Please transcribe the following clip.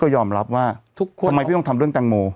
ก็ยอมรับทันไปต้องทำเรื่องแตงโม